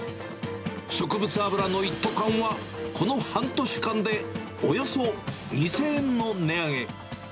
植物油の一斗缶は、この半年間でおよそ２０００円の値上げ。